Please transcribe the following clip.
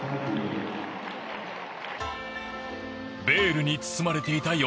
ベールに包まれていた